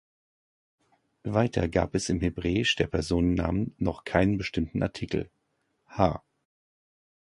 Weiter gab es im Hebräisch der Personennamen noch keinen bestimmten Artikel -הַ "ha-".